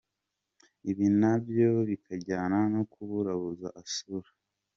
Ibi na byo bikajyana no kuburabuza asura !